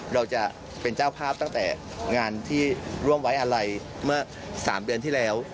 เราจะเป็นเจ้าภาพตั้งแต่งานที่ร่วมไว้อะไรเมื่อ๓เดือนที่แล้ว